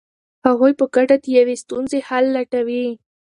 هغوی په ګډه د یوې ستونزې حل لټوي.